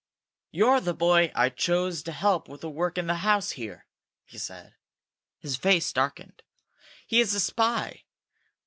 "You're the boy I chose to help with the work in the house here!" he said. His face darkened. "He is a spy!